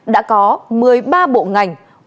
đã có một mươi ba bộ ngành